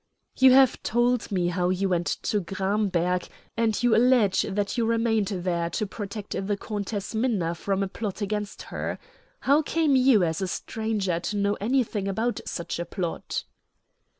"You have told me how you went to Gramberg, and you allege that you remained there to protect the Countess Minna from a plot against her. How came you as a stranger to know anything about such a plot?"